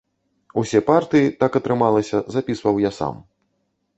Усе партыі, так атрымалася, запісваў я сам.